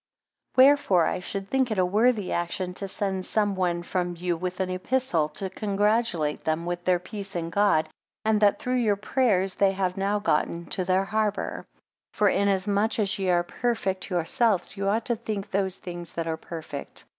18 Wherefore I should think it a worthy action, to send some one from you with an epistle, to congratulate with them their peace in God; and that through your prayers, they have now gotten to their harbour. 19 For inasmuch as ye are perfect yourselves, you ought to think those things that are perfect.